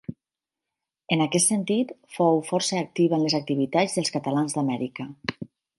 En aquest sentit fou força activa en les activitats dels catalans d'Amèrica.